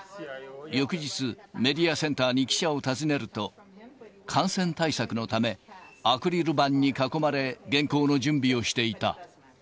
翌日、メディアセンターに記者を訪ねると、感染対策のため、アクリル板に囲まれ、原稿の準備をしていた。